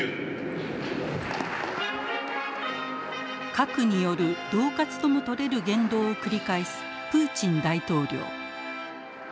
核による恫喝とも取れる言動を繰り返すプーチン大統領。